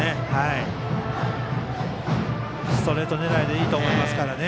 ストレート狙いでいいと思いますからね。